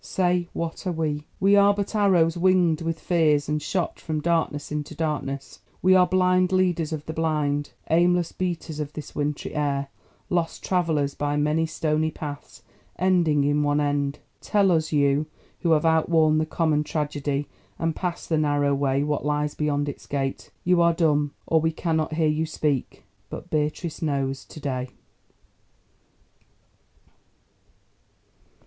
Say—what are we? We are but arrows winged with fears and shot from darkness into darkness; we are blind leaders of the blind, aimless beaters of this wintry air; lost travellers by many stony paths ending in one end. Tell us, you, who have outworn the common tragedy and passed the narrow way, what lies beyond its gate? You are dumb, or we cannot hear you speak. But Beatrice knows to day!